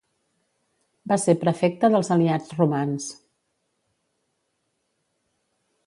Va ser prefecte dels aliats romans.